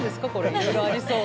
いろいろありそう。